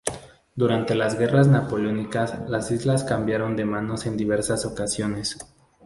Durante las Guerras Napoleónicas las islas cambiaron de manos en diversas ocasiones.